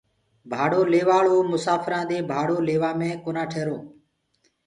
ڀاڙو ليوآݪو مساڦرانٚ دي ڀاڙو ليوآ مي ڪونآ ٺيرو